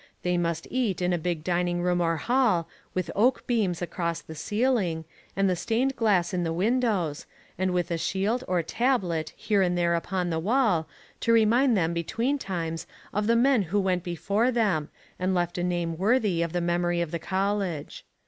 They must eat in a big dining room or hall, with oak beams across the ceiling, and the stained glass in the windows, and with a shield or tablet here or there upon the wall, to remind them between times of the men who went before them and left a name worthy of the memory of the college.